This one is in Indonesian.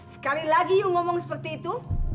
sekali lagi yuk ngomong seperti itu